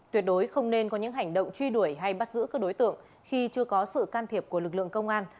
tuyệt đối không nên có những hành động truy đuổi hay bắt giữ các đối tượng khi chưa có sự can thiệp của lực lượng công an